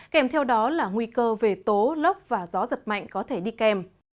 kèm theo đó là nguy cơ về tố lốc và gió giật mạnh có thể đi kèm